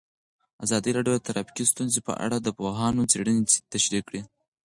ازادي راډیو د ټرافیکي ستونزې په اړه د پوهانو څېړنې تشریح کړې.